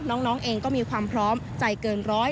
น้องเองก็มีความพร้อมใจเกินร้อย